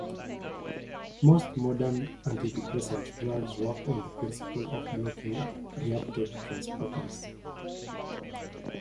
Most modern antidepressant drugs work on the principal of blocking re-uptake transporters.